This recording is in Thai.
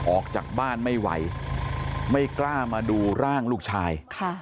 ออกจากบ้านไม่ไหวไม่กล้ามาดูร่างลูกชาย